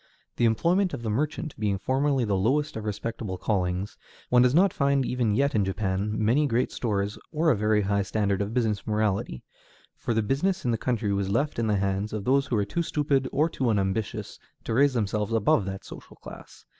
The employment of the merchant being formerly the lowest of respectable callings, one does not find even yet in Japan many great stores or a very high standard of business morality, for the business of the country was left in the hands of those who were too stupid or too unambitious to raise themselves above that social class.